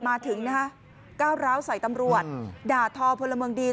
มาถึงนะฮะก้าวร้าวใส่ตำรวจด่าทอพลเมืองดี